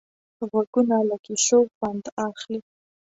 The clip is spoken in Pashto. غوږونه له کیسو خوند اخلي